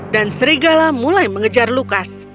dan serigala mulai mengejar lukas